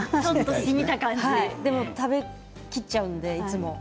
でも食べきってしまうのでいつも。